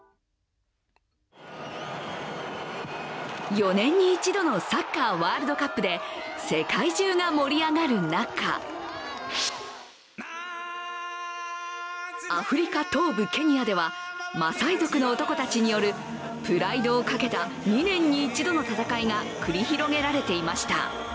４年に一度のサッカーワールドカップで世界中が盛り上がる中、アフリカ東部ケニアではマサイ族の男たちによるプライドをかけた２年に一度の戦いが繰り広げられていました。